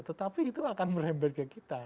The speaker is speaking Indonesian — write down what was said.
tetapi itu akan memberge kita